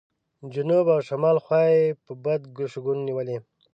جنوب او شمال خوا یې په بد شګون نیولې.